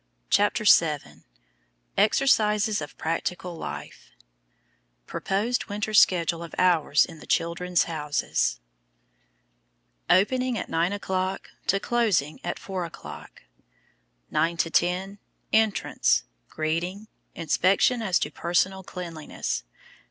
CHAPTER VII EXERCISES OF PRACTICAL LIFE PROPOSED WINTER SCHEDULE OF HOURS IN THE "CHILDREN'S HOUSES" Opening at Nine O'clock–Closing at Four O'clock 9 10. Entrance. Greeting. Inspection as to personal cleanliness.